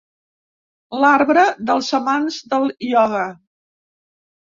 L'arbre dels amants del ioga.